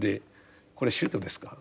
これ宗教ですか。